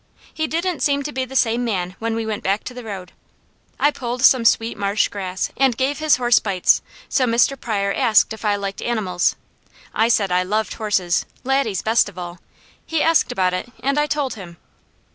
He didn't seem to be the same man when we went back to the road. I pulled some sweet marsh grass and gave his horse bites, so Mr. Pryor asked if I liked animals. I said I loved horses, Laddie's best of all. He asked about it and I told him.